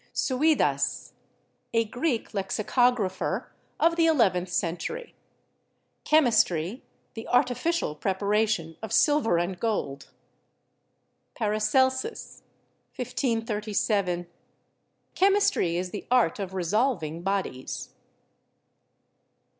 Suidas (a Greek lexicographer of the eleventh cen tury). "Chemistry, the artificial preparation of silver and gold." Paracelsus (1537 [?])• "Chemistry is the art of resolving bodies."